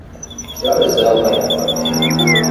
Que horas é o baile funk.